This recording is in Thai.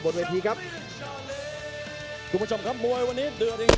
โปรดติดตามต่อไป